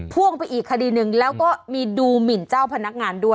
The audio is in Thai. พ่วงไปอีกคดีหนึ่งแล้วก็มีดูหมินเจ้าพนักงานด้วย